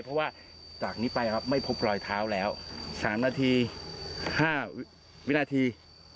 เพราะว่าจากนี้ไปไม่พบรอยเท้าแล้ว๓นาที๕วินาที